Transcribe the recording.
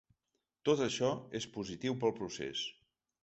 Tot això és positiu pel procés.